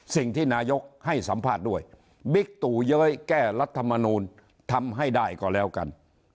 สิ่งที่นายกให้สัมภาษณ์ด้วยบิ๊กตู่เย้ยแก้รัฐมนูลทำให้ได้ก็แล้วกัน